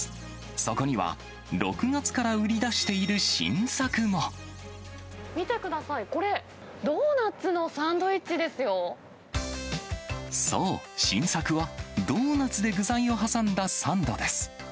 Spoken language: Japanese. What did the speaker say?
そこには、６月から売り出してい見てください、これ、そう、新作はドーナツで具材を挟んだサンドです。